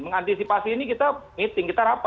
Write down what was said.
mengantisipasi ini kita meeting kita rapat